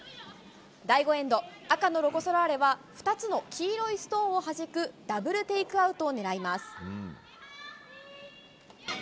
第５エンド、赤のロコ・ソラーレは、２つの黄色いストーンをはじくダブルテイクアウトを狙います。